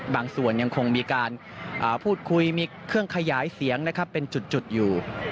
บางส่วนยังคงมีการพูดคุยมีเครื่องขยายเสียงนะครับเป็นจุดอยู่